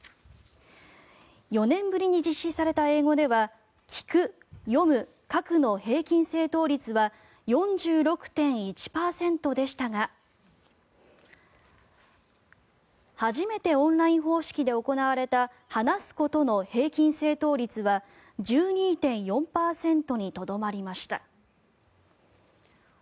４年ぶりに実施された英語では聞く、読む、書くの平均正答率は４６．１％でしたが初めてオンライン方式で行われた話すことの平均正答率は１２．４％にとどまりました。